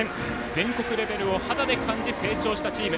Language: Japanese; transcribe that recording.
全国レベルを肌で感じ成長したチーム。